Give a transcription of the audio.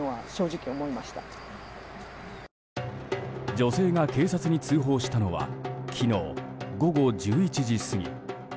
女性が警察に通報したのは昨日午後１１時過ぎ。